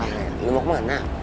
nah lo mau kemana